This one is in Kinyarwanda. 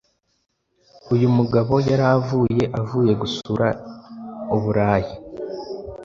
uyu mugabo yari avuye avuye gusura uburayi.